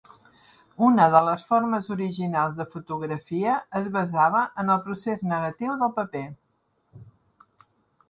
Una de les formes originals de fotografia es basava en el procés negatiu del paper.